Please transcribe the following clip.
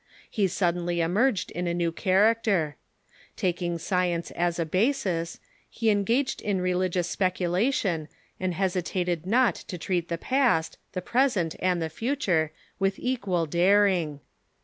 He suddenly emerged in a new character. Taking science as a basis, he engaged in religious speculation, and hesitated not to treat the past, the present, and the future with equal daring.